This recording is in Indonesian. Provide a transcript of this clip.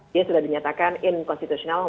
dia sudah dinyatakan inkonstitusional